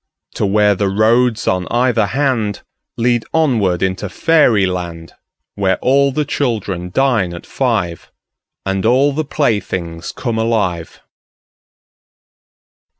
To where the roads on either handLead onward into fairy land, Where all the children dine at five, And all the playthings come alive.